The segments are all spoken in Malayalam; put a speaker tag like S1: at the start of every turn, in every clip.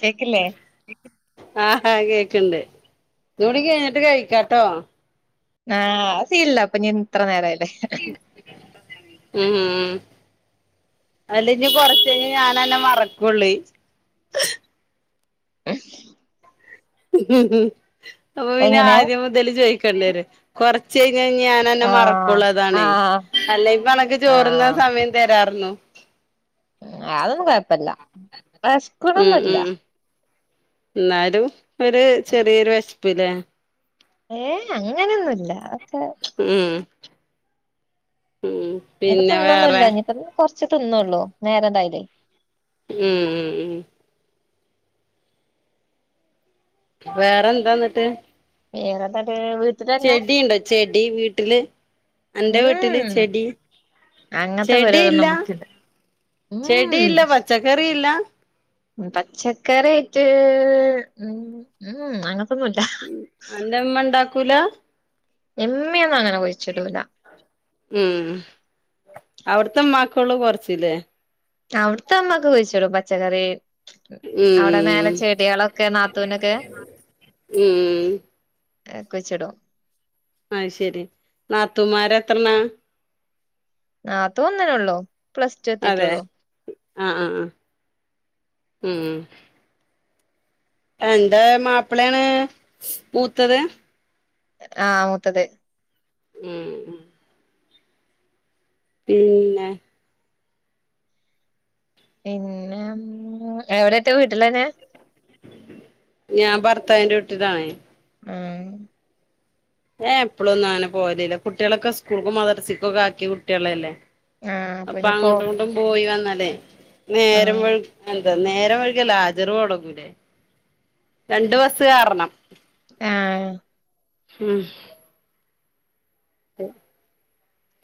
S1: കേക്കില്ലേ?
S2: [inaudible] ആഹാ കേക്ക്ണ്ട് തൂടി കഴിഞ്ഞിട്ട് കഴിക്കാട്ടോ.
S1: ആഹ് അഅ് സീൻല്ല പ്പൊ ഞാൻ ത്ര നേരായില്ലെ
S2: [inaudible] ഉം ഉ ഉ അതല്ലേ ഇനി കൊറച്ച് കഴിഞ്ഞേ ഞാൻ അന്നെ മറക്കുള്ളു
S1: ഏ
S2: അപ്പൊ പിന്നെ
S1: എങ്ങനെ
S2: ആദ്യം മൊതല് ചോദിക്കേണ്ടി വരും കൊറച്ച് കഴിഞ്ഞാ ഞാൻ തന്നെ
S1: ആ ആ
S2: മറക്കുള്ളതാണെ അല്ലേ കണക്ക്
S1: ആ
S2: ചോറ് തിന്നാൻ സമയം തരാർന്നു
S1: അതൊന്നും കൊഴപ്പല്ല
S2: ഉം
S1: വിശക്കണൊന്നുല്ല
S2: ഉം എന്നാലും ഒരു ചെറിയൊരു വെശപ്പ്ല്ലേ
S1: ഏയ് അങ്ങനൊന്നുല്ല അതൊക്കെ
S2: മ്ഹ് മ്ഹ്
S1: ഇനിപ്പൊ തിന്നൊന്നുല്ല ഇനിയിപ്പ കൊറച്ച് തിന്നൊള്ളു നേരം ഇതായതെ
S2: മ്ഹ് വേറെന്താ എന്നിട്ട്
S1: [unintelligible]
S2: ചെടിയുണ്ടോ ചെടി വീട്ടില് അന്റെ വീട്ടില്
S1: ഉം
S2: ചെടി
S1: അങ്ങനത്തെ [unintelligible]
S2: ചെടിയില്ല
S1: നമുക്കില്ല ഉം
S2: ച്ച ക്കറിയില്ല
S1: പച്ചക്കറി ആയിട്ട് ഉം ഉം അങ്ങനത്തൊന്നുല്ലാ
S2: ഉം അന്റെ ഉമ്മ ഇണ്ടാക്കൂല
S1: ഇമ്മ ഒന്നും അങ്ങനെ കുഴിച്ചിടൂല
S2: ഉം അവിടത്തെ ഉമ്മാക്കുള്ള കൊറച്ചില്ലേ
S1: അവിടുത്തെ ഉമ്മാക്ക് കുഴിച്ചിടും പച്ചക്കറി അവിടെ മേലെ
S2: ഉം
S1: ചെടികളൊക്കെ നാത്തൂനൊക്കെ
S2: ഉം
S1: ഏഹ് കുയിച്ചിടും
S2: അയ് ശെരി നാത്തൂന്മാര് എത്രെണ്ണാ
S1: നാത്തൂൻ ഒന്നന്നെ ഉള്ളു
S2: അതെ ആഹ് ആഹ് ഉം എന്റെ മാപ്പളേണ് മൂത്തത്
S1: ആഹ് മൂത്തത്
S2: മ്ഹ് പിന്നെ
S1: പിന്നെ എവിടത്തെ വീട്ടിലന്നെ
S2: ഞാൻ ഭർത്താവിന്റെ വീട്ടിലാണേ
S1: ഉം
S2: ഞാൻ എപ്പളൊന്നും അങ്ങന പോകലില്ല കുട്ടികളൊക്കെ സ്കൂൾക്കും മദ്റസക്കക്കും ഒക്കെ ആക്കിയ കുട്ട്യളല്ലേ
S1: ആഹ്
S2: അപ്പൊ
S1: പിന്നെ പോ
S2: അങ്ങോട്ടും ഇങ്ങോട്ടും പോയി വന്നലേ നേരം
S1: ആഹ്
S2: [unintelligible] നേരം വൈകിയാല് ഹാജർ മൊടങ്ങൂലേ രണ്ട് ബസ്സ് കേറണം
S1: ആഹ്
S2: മ്ഹ്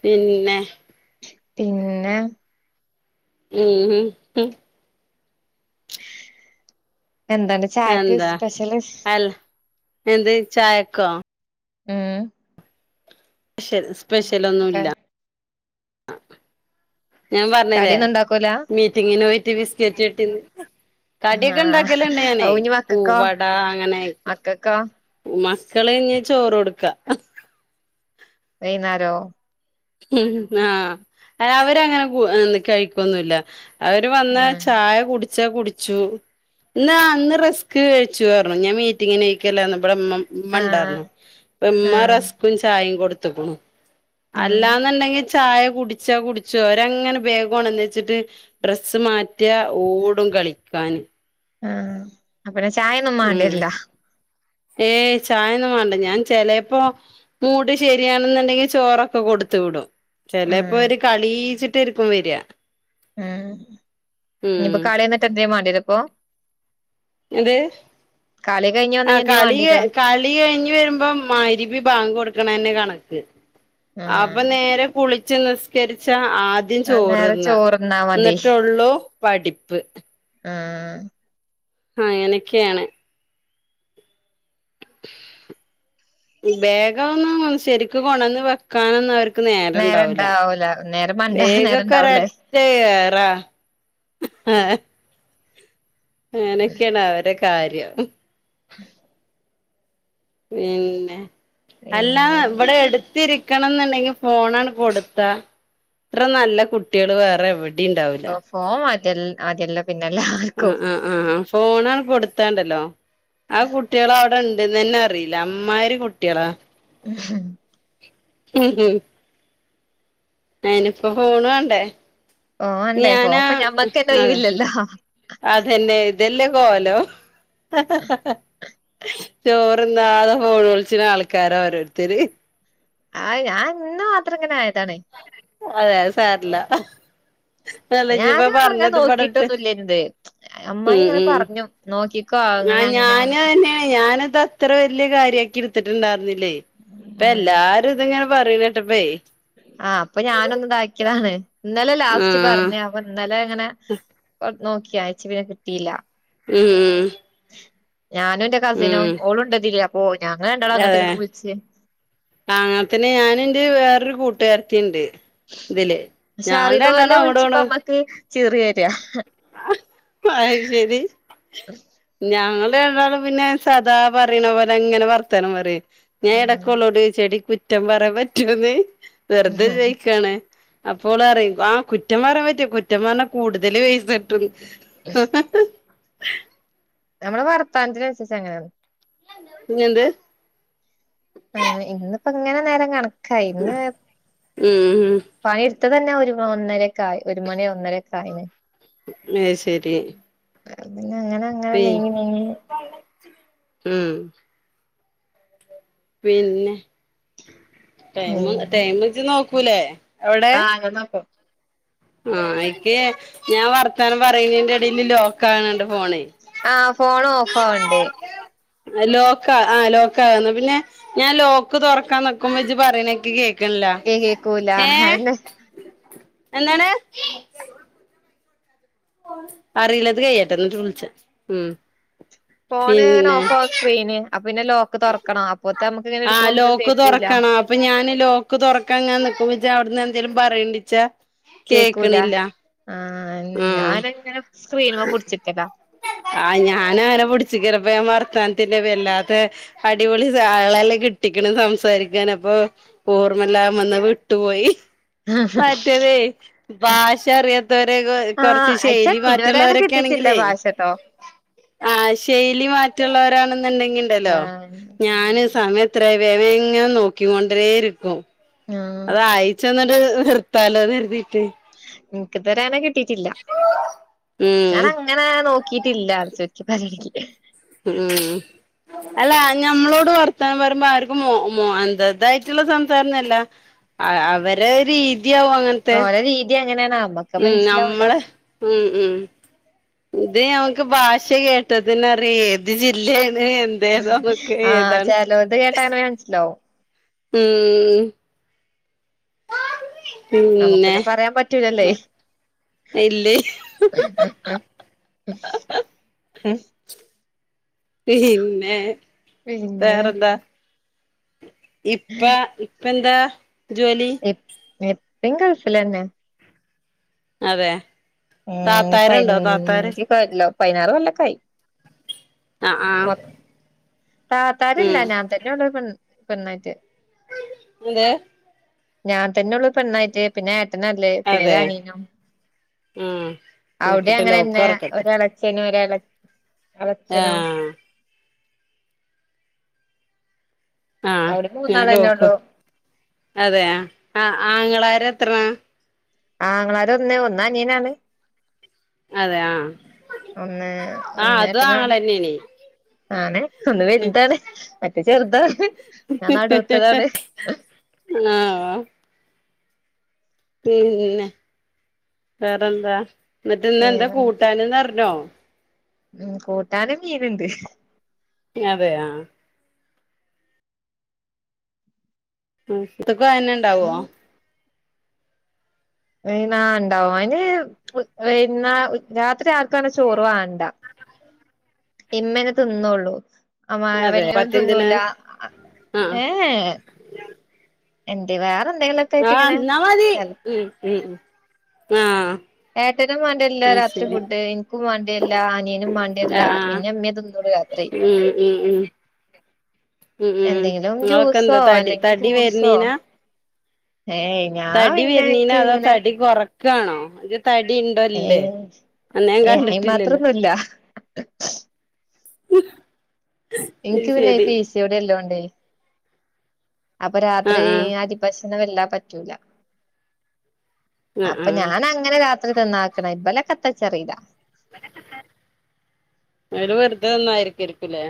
S2: പിന്നെ
S1: പിന്നെ
S2: മ്ഹ് ഹ്
S1: എന്താണ്ട് ചായക്ക്
S2: എന്താ
S1: സ്പെഷ്യല്
S2: അല്ല എന്ത് ചായക്കോ?
S1: മ്ഹ്
S2: ഷ്യൽ സ്പെഷ്യലൊന്നും ഇല്ല ഞാൻ പറഞ്ഞില്ലേ
S1: കടിയൊന്നും ഉണ്ടാക്കൂല
S2: മീറ്റിങ്ങിന് പോയിട്ട് ബിസ്കറ്റ് കിട്ടീന്ന് കടിയൊക്കെ
S1: ആഹ്
S2: ഇണ്ടാക്കല്‌ണ്ട്
S1: ഔ
S2: ഞാനേ
S1: ഇനി മക്കക്കോ
S2: പൂവട അങ്ങനെ
S1: മക്കക്കോ
S2: മക്കള് ഞ്ഞ്‌ ചോറ് കൊടുക്ക
S1: വൈന്നാരോ?
S2: ഉം ആഹ് അവരങ്ങനെ കു കഴിക്കൊന്നുല്ല. അവര് വന്ന
S1: ആഹ്
S2: ചായ കുടിച്ചാ കുടിച്ചു. ന്നാ അന്ന് റസ്ക് കഴിച്ചു അർഞ്ഞു. ഞാ മീറ്റിങ്ങിനോയ്ക്കല്ലാന്നോ ഇവടെ മ്മ
S1: ആഹ്
S2: ഇമ്മണ്ടാർന്നു ഇമ്മ
S1: ആഹ്
S2: റസ്ക്കും ചായിം കൊടുത്ത്ക്ക്ണു.
S1: ആഹ്
S2: അല്ലാന്ന്ണ്ടെങ്കി ചായ കുടിച്ചാ കുടിച്ചു. ഓരങ്ങനെ ബേഗ് കൊണ്ടന്ന് വെച്ചിട്ട് ഡ്രസ്സ് മാറ്റാ ഓടും കളിക്കാന്.
S1: ആഹ് അപ്പൊന്നെ ചായൊന്നും
S2: ഉം
S1: മാണ്ടിര്ല്ല.
S2: ഏയ് ചായൊന്നും വേണ്ട ഞാൻ ചെലേപ്പോ മൂട് ശരിയാണ്ന്ന്ണ്ടെങ്കി ചോറൊക്കെ കൊട്ത്തു വിടും. ചെലേപ്പം
S1: ഉം
S2: ഒര് കളീച്ചിട്ടാര്ക്കും വരാ.
S1: ഉം ഇനിയിപ്പോ
S2: ഉം
S1: കാളിയന്നിട്ട് എന്തേ മാണ്ടി വരോപ്പൊ?
S2: എന്ത്
S1: കളി കഴിഞ്ഞ് വന്നാ
S2: ആഹ്
S1: എന്തേ
S2: കളി
S1: വേണ്ടിരോ
S2: കളി ളി കയ്ഞ്ഞ് വരുമ്പം മഗ്‌രിബ് ബാങ്ക് കൊട്ക്ക്ണെന്നെ കണക്ക്
S1: ഉം
S2: അപ്പം നേരെ കുളിച്ച് നിസ്കരിച്ച ആ ദ്യം
S1: അത് നേരെ
S2: ചോറ്ന്ന
S1: ചോറ്ന്നാ മതി
S2: ന്നിട്ട്ള്ളൂ പഠിപ്പ്.
S1: ആഹ്
S2: അങ്ങനെക്കെയാണ്. ബാഗൊന്നും ശരിക്കും കൊണ്ടന്ന് വെക്കാനൊന്ന് അവർ ക്ക്
S1: നേരം
S2: നേരണ്ടാവൂല
S1: ഇണ്ടാവൂല നേരം മണ്ടാ നേരം
S2: ബേഗൊക്കെ ഒര
S1: ഇണ്ടാവൂലേ
S2: റ്റ ഏറാ അങ്ങനൊക്കെയാണ് അവരൊ കാര്യം പിന്നെ അല്ലാ
S1: പിന്നെ
S2: ഇവിടെ എടുത്തിരി ക്കണം ന്ന്ണ്ടെങ്കി ഫോണാണ് കൊടുത്താ ഇത്ര നല്ല കുട്ട്യാള് വേറെ എവിടിംണ്ടാവൂല്ല.
S1: ഫോൺ മതി മതിയല്ലാം
S2: ആഹ്
S1: പിന്നെല്ലാർക്കും.
S2: ആഹ് ആഹ് ഫോണാണ്ട് കൊടുത്താണ്ടല്ലോ ആ കുട്ട്യാള് അവിടെ ഇണ്ട്ന്നന്നെ അറിയില്ല. അമ്മാരി കുട്ട്യേളാ ഉം ഉം അയ്ന് പ്പൊ ഫോൺ വാണ്ടേ
S1: ഫോൺ വാണ്ടേ പ്പൊ ഞമ്മക്കന്നെ
S2: അതെ
S1: ഒഴിവില്ലല്ലോ.
S2: അതന്നെ ഇതെല്ലേ കോലം ചോറ്ന്നാതെ ഫോൺ വിൾച്ച്ണ ആൾക്കാരാ ഓരോരുത്തര്
S1: ആഹ് ഞാൻ ഇന്ന് മാത്രം ഇങ്ങനെ ആയതാണ്.
S2: അതെ അത് സാര്ല്ല.
S1: ഞാനും അങ്ങനെ
S2: ഇവിടെട്ട്
S1: നോക്കിട്ടൊന്നുംല്ല [unintelligible] അമ്മായി ഇങ്ങനെ പർഞ്ഞു
S2: ആഹ് ഞാനും അത് തന്നെയാണ് ഞാന് ത ത്ര വല്ല്യ കാര്യക്കി ഇട്ത്ത്ട്ട്ണ്ടാര്ന്നില്ലേ അപ്പ എല്ലാരും ഇത്ങ്ങനെ പറയണ കേട്ടപ്പേ
S1: ആഹ് അപ്പൊ ഞാനൊന്ന് താക്കിയതാണ്. ഇന്നലെ ലാസ്റ്റ്
S2: ഉം
S1: പർഞ്ഞെ അപ്പൊ ഇന്നലെ ഇങ്ങനെ നോക്കി അയ്ച്ച് പിന്നെ കിട്ടീല്ല.
S2: ഉം
S1: ഞാനും ന്റെ കസിനും
S2: ഉം
S1: ഓളുംണ്ട്തില് അപ്പൊ ഞങ്ങള് രണ്ടാളും അങ്ങോട്ടും ഇങ്ങട്ടും വിൾച്ച്
S2: ആഹ് പിന്നെ ഞാനും ന്റെ വേറൊരു കൂട്ടുകാര്ത്തിണ്ട്. ഇതില് ഞാള് രണ്ടാളും അങ്ങടു ഇങ്ങടും
S1: ചിരി വെരാ
S2: അയ് ശരി ഞങ്ങള് രണ്ടാളും പിന്നെ സാധാ പറയണ പോലെ അങ്ങനെ വർത്താനം പറയും ഞാൻ എടക്കോളോട് ചോയിച്ച് എടീ കുറ്റം പറയാൻ പറ്റുവോന്ന് വെറുതെ ചോയിക്കാണ് അപ്പം ഓള് പറയും ആഹ് കുറ്റം പറയാൻ പറ്റും കുറ്റം പറഞ്ഞാ കൂടുതല് പൈസട്ടുന്ന്
S1: ഞമ്മളെ വർത്താനത്തിനനുരിച്ച് അങ്ങനെയാണ്
S2: ഇനി എന്ത്
S1: അങ്ങനെ ഇന്നിപ്പ ഇങ്ങനെ നേരം കണക്കായി ഇന്ന്
S2: ഉം
S1: പണി എടുത്തത് തന്നെ ഒരു ഒന്നരക്കായി ഒരു മണി ഒന്നര ഒക്കെ ആയിന്
S2: ഏഹ് ശരി
S1: പിന്നെ അങ്ങനെ അങ്ങനെ
S2: പി
S1: നീങ്ങി നീങ്ങി
S2: ഉം പിന്നെ ടൈമ്
S1: നീങ്ങി
S2: ടൈമ് ഇജ്ജ് നോക്കൂലേ
S1: ആഹ് ഞാൻ നോക്കും
S2: ആഹ് എനിക്ക് ഞാൻ വർത്താനം പറയണേന്റെ എടേല് ലോക്കാവ്ണണ്ട് ഫോണെ
S1: ആഹ് ഫോണ് ഓഫ് ആവണണ്ട്
S2: ലോക്കാ ആഹ് ലോക്കാവ്ന്ന് പിന്നെ ഞാൻ ലോക്ക് തൊറക്കാൻ നിക്കുമ്പോ ഇജ്ജ് പറയണ എൻക്ക് കേക്കണില്ലാ
S1: കേക്കൂല
S2: എന്താണ് അറിയില്ല ഇത് കയ്യട്ടെ എന്നിട്ട് വിളിച്ചാ ഉം
S1: ഫോണ് ഇങ്ങനെ
S2: പിന്നെ
S1: ഓഫാകും സ്ക്രീന് അപ്പൊ പിന്നെ ലോക്ക് തൊറക്കണം അപ്പോത്ത് നമ്മക്ക് ഇങ്ങനെ എടുക്കുമ്പോ നമ്മക്ക് കേക്കൂല്ലാ
S2: ഇപ്പം ഞാൻ ലോക്ക് തൊറക്കാൻ ഇങ്ങനെ നിക്കുമ്പോ ഇജ്ജ് അവിടന്ന് എന്തെലും പറയ്ണ്ടാച്ചാ
S1: കേക്കൂല
S2: കേക്കണില്ല
S1: ആഹ്
S2: ഉം
S1: ഞാനിങ്ങനെ സ്ക്രീന് മ്മെ പിടിച്ച്ക്കലാ
S2: ആഹ് ഞാന് അങ്ങനെ പിടിച്ചിക്കലാ ഇപ്പ ഞാൻ വർത്താനത്തില് വല്ലാതെ അടിപൊളി സാ ആളെല്ലാം കിട്ടിക്കണ് സംസാരിക്കാൻ അപ്പൊ ഓർമ്മല്ലാം വന്ന് വിട്ടുപോയി മറ്റതേ ഭാഷ അറിയാത്തവരെക്കെ കൊറച്ച്
S1: ആഹ് അയിച്ചാ
S2: ശൈലി മാറ്റ്
S1: ഇതുവരെ അങ്ങനെ
S2: മറ്റുള്ളവരൊക്കെ
S1: കിട്ടിയിട്ടില്ല
S2: ആണെങ്കിലേ
S1: ഭാഷട്ടോ
S2: ആഹ് ശൈലി മാറ്റള്ളവരാണെന്നുണ്ടെങ്കില്ണ്ടല്ലോ
S1: ആഹ്
S2: ഞാന് സമയ എത്രയായി വേം വേം ഇങ്ങെനെ നോക്കിക്കൊണ്ടരെ ഇരിക്കും
S1: ആഹ്
S2: അത് ആയച്ചന്നിട്ട് നിർത്താലോന്ന് കരുതീട്ട്
S1: ഇനിക്ക് ഇതുവരെ അങ്ങനെ കിട്ടീട്ടില്ലാ
S2: ഉം
S1: ഞാനങ്ങ് അങ്ങനെ നോക്കിയിറ്റില്ലാ ശരിക്ക് [unintelligible]
S2: ഉം ഉം അല്ല ഞമ്മളോട് വർത്താനം പറമ്പോ ആര്ക്കും മോ മോ എന്താ ഇതായിട്ടുള്ള സംസാരൊന്നും അല്ല അഹ് അവരെ രീതിയാവും അങ്ങൻത്
S1: ഓലെ രീതി അങ്ങനെയാണ് നമ്മക്ക്
S2: ഉം
S1: മനസ്സിലാവൂല
S2: നമ്മള് ഉം ഉം ഇത് ഞമ്മക്ക് ഭാഷ കേട്ടാ തന്നെ അറിയേ ഏത് ജില്ലേണ് എന്ത് ഇത് ഏതാന്നൊക്കെ ഏതാന്ന്
S1: ചെലോലത് കേട്ടാങ്ങനെ മനസിലാകും
S2: ഉം
S1: നമുക്ക് പിന്നെ പറയാൻ പറ്റൂലല്ലേ
S2: ഇല്ലേ പിന്നെ
S1: പിന്നെ
S2: വേറെന്താ ഇപ്പ ഇപ്പന്താ ജോലി
S1: ഇ ഇപ്പി ഗൾഫിലെന്നെ
S2: അതെ താത്താരുണ്ടോ താത്താര്
S1: പല്ലോ പൈനാറ് കൊല്ലൊക്കായി.
S2: ആഹ് ആഹ്
S1: മൊ താത്താരില്ല
S2: ഉം
S1: ഞാൻ തന്നെയുള്ളൂ പെൺ പെണ്ണായിട്ട്.
S2: എന്ത്
S1: ഞാൻ തന്നെയുള്ളൂ പെണ്ണായിട്ട് പിന്നെ ഏട്ട നാള്ളത്പിന്നെ
S2: അതെ
S1: ഒരനിയനും.
S2: ആഹ്
S1: അവൊടി
S2: നിക്കട്ടെ ലോക്ക്
S1: അങ്ങനെന്നെ
S2: തൊറക്കട്ടെ
S1: ഒര് എളച്ചനും ഒര് അളച്ചനും
S2: ആഹ് ആഹ്
S1: അവിടെ
S2: ഞാൻ
S1: മൂന്നാളന്നെ
S2: ലോക്കൂ
S1: ഉള്ളു
S2: അതെയ ആഹ് ആങ്ങളാരത്രണ?
S1: ആ്ങ്ങളാര ഒന്ന് ഒന്നനീയനാണ്
S2: അതെ ആഹ്
S1: ഒന്ന്
S2: ആഹ്
S1: ഒന്നേട്ട
S2: അതും
S1: നാണ്
S2: ആങ്ങളെന്നേണ്
S1: ആണ് ഒന്ന് വലുതാണ് മറ്റേ ചെറുതാണ് ഞാൻ നടുത്തതാണ്.
S2: ആഹ് പിന്നെ വേറെന്താ എന്നിട്ടിന്നെന്താ
S1: വേറെ
S2: കൂട്ടാനന്ന് അറിഞ്ഞോ
S1: ഉം കൂട്ടാന് മീനുണ്ട്.
S2: അതെ ആഹ് ഉം ഉച്ചക്കും അയന്നെ ഉണ്ടാവോ
S1: ഉം വൈന്നാ ഉണ്ടാവും അയിന് വൈന്ന ഉ രാത്രി ആർക്കങ്ങനെ ചോറ് വാണ്ട. ഇമ്മേനെ തിന്നള്ളൂ അ
S2: അതെ
S1: വല്യോളും
S2: പത്തിൻറ്റില്
S1: തിന്നൂല
S2: ആഹ്
S1: ഏഹ് എന്തേ വേറെ എന്തെങ്കിലൊ
S2: ആഹ് ന്നാമതി ഉം ഉം ആഹ്
S1: ഏട്ടനും വേണ്ടേരില്ല രാത്രി
S2: അയ്ശരി
S1: ഫുഡ് ഇൻക്കും വേണ്ടരില്ല അനിയനും വേണ്ടരില്ല
S2: ആഹ് ആഹ്
S1: പിന്നെ ഇമ്മേ തിന്നൂള്ളൂ രാത്രി.
S2: ഉം ഉം ഉം ഉം ഉം
S1: എന്തെങ്കിലും
S2: നിങ്ങളൊക്കെ
S1: ജ്യൂസോ
S2: എന്താ തടി
S1: അല്ലെങ്കിൽ
S2: തടി
S1: ഫ്രൂട്സോ
S2: വരുന്നീനാ
S1: ഏയ് ഞാൻ
S2: തടി
S1: പിന്നെ
S2: വരുന്നീന
S1: ഇൻക്ക്
S2: അതോ
S1: ഇങ്ങനെ
S2: തടി കൊറക്കാണോ? തടി ഉണ്ടോ ഇല്ലേ അന്നെ ഞാൻ കണ്ടിട്ടില്ലല്ലോ
S1: ഇല്ല
S2: ഇഹ്
S1: എനിക്ക് പിന്നെ ഇ പി സിയോടി എല്ലോണ്ടെയ്നി. അപ്പൊ രാത്രി
S2: ആഹ് ആഹ്
S1: അതി ഭക്ഷണം വല്ലാതെ പറ്റൂല
S2: ആഹ്
S1: അപ്പൊ
S2: ആഹ്
S1: ഞാനങ്ങനെ രാ ത്രി തിന്നാക്കണ് ഇബലൊക്കെ എന്താച്ചറീല.
S2: ഓല് വെറുതെ തിന്നായിരിക്കായിരിക്കുംലേ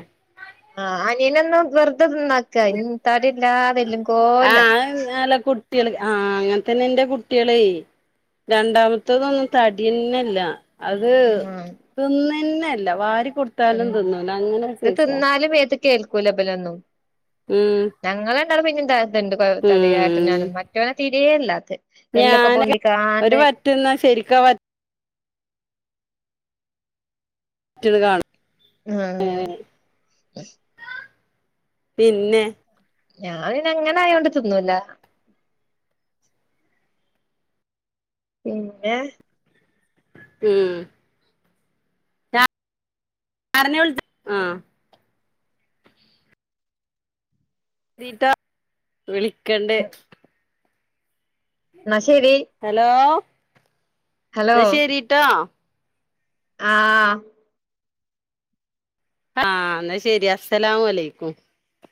S1: ആഹ് അനിയനൊന്നും വെറുതെ തിന്നാക്ക ഇ തടില്ലാതെ എല്ലും കോല
S2: നല്ല കു കുട്ടികൾ ആഹ് അങ്ങനെ തന്നെ എന്റെ കുട്ടികളെ രണ്ടാമത്തതൊന്നും തടിയെന്നല്ല അത് തിന്നന്നല്ല വാരി
S1: ഉം
S2: കൊടുത്താലും തിന്നൂല അങ്ങനെ ഒരു
S1: ഇത്
S2: സൈസാ
S1: തിന്നാലും മേത്ത് കേൾക്കൂല ഇബലൊന്നും
S2: ഉം
S1: ഞങ്ങള് രണ്ടാളും പിന്നിം ത ണ്ട് തടിയായിട്ട്
S2: ഉം
S1: ഞാനും മറ്റവന് തിരേയില്ലാത്. എല്ലൊക്ക
S2: ഞാനൊക്കെ
S1: പൊന്തിക്കാണ്ട്
S2: [unintelligible] [unintelligible]
S1: ആഹ്
S2: പിന്നെ
S1: ഞാൻ പിന്നെ അങ്ങനെ ആയോണ്ട് തിന്നൂല്ല പിന്നെ
S2: മ് [unintelligible] ആഹ് രീട്ടോ, വിളിക്കണ്ട്
S1: ന്ന ശരി
S2: ഹലോ
S1: ഹലോ
S2: ന്ന ശരിട്ടോ
S1: ആഹ്
S2: ആഹ് എന്നാ ശരി അസലാംമു അലൈക്കും